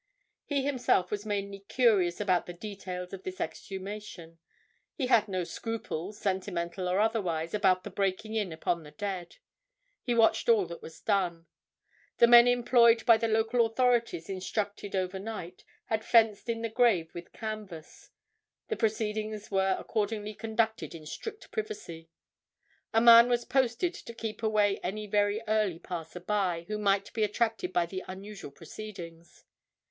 He himself was mainly curious about the details of this exhumation; he had no scruples, sentimental or otherwise, about the breaking in upon the dead. He watched all that was done. The men employed by the local authorities, instructed over night, had fenced in the grave with canvas; the proceedings were accordingly conducted in strict privacy; a man was posted to keep away any very early passersby, who might be attracted by the unusual proceedings.